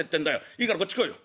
いいからこっち来いよ」。